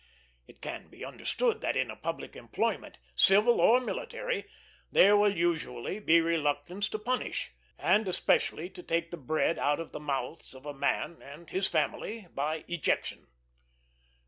It can be understood that in a public employment, civil or military, there will usually be reluctance to punish, and especially to take the bread out of the mouths of a man and his family by ejection.